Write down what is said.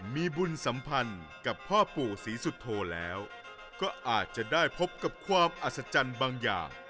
มีบุญสัมพันธ์กับพ่อปู่ศรีสุโธแล้วก็อาจจะได้พบกับความอัศจรรย์บางอย่าง